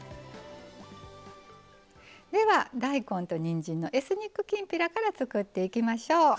では大根とにんじんのエスニックきんぴらから作っていきましょう。